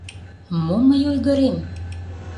Мом мый ойгырем?